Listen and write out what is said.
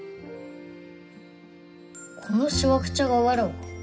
このしわくちゃがわらわか？